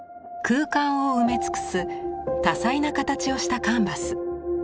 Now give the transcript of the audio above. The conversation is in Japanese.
空間を埋め尽くす多彩な形をしたカンバス。